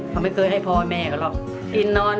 เขาไม่เคยให้พ่อแม่เขาหรอก